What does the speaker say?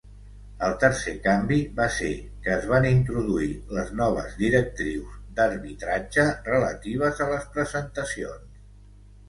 El tercer canvi va ser que es van introduir les noves directrius d'arbitratge relatives a les presentacions.